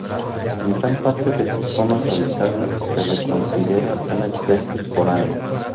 En gran parte de sus zonas habitadas se la considera una especie foránea.